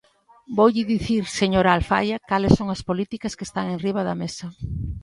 Voulle dicir, señora Alfaia, cales son as políticas que están enriba da mesa.